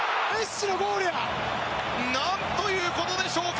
何ということでしょうか！